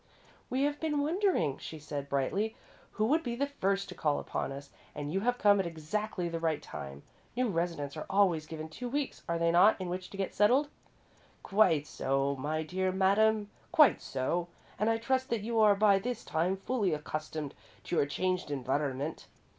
"We have been wondering," she said, brightly, "who would be the first to call upon us, and you have come at exactly the right time. New residents are always given two weeks, are they not, in which to get settled?" "Quite so, my dear madam, quite so, and I trust that you are by this time fully accustomed to your changed environment.